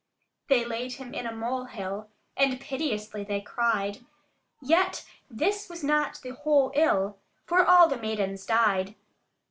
They laid him in a molehill, and piteously they cried: Yet this was not the whole ill, for all the maidens died.